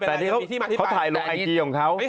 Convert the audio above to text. แต่นี่เขาถ่ายลงไอจีของเขา